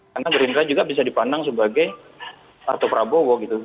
karena gerindra juga bisa dipandang sebagai atau prabowo gitu